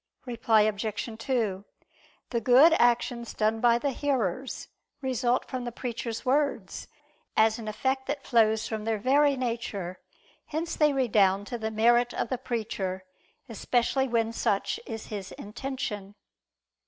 Reply Obj. 2: The good actions done by the hearers, result from the preacher's words, as an effect that flows from their very nature. Hence they redound to the merit of the preacher: especially when such is his intention.